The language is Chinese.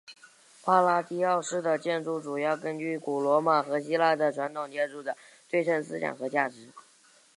帕拉第奥式的建筑主要根据古罗马和希腊的传统建筑的对称思想和价值。